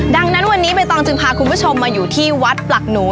ดังนั้นวันนี้ใบตองจึงพาคุณผู้ชมมาอยู่ที่วัดปลักหนู